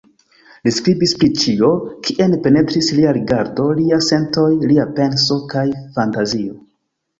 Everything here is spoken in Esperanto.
Li skribis pri ĉio, kien penetris lia rigardo, liaj sentoj, lia penso kaj fantazio.